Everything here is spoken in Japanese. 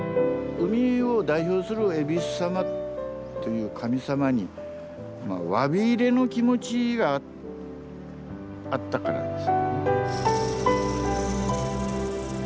海を代表するえびす様という神様にわびいれの気持ちがあったからです。